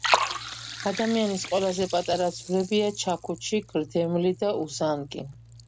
ადამიანის ყველაზე პატარა ძვლებია :ჩაქუჩი, გრდემლი და უზანგი